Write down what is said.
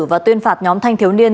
và tuyên phạt nhóm thanh thiếu niên